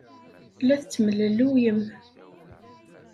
La tettemlelluyem.